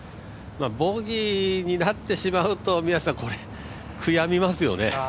ボギーになってしまうと悔やみますよね。